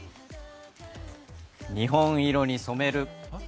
日本色に染める！！